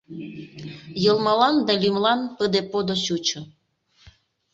Йылмылан да лӱмлан пыде-подо чучо.